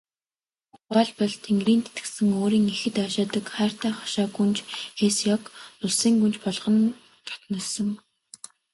Тухайлбал, Тэнгэрийн тэтгэсэн өөрийн ихэд ойшоодог хайртай хошой гүнж Хэсяог улсын гүнж болгон дотнолсон.